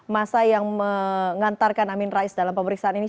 masa yang mengantarkan amin rais dalam pemeriksaan ini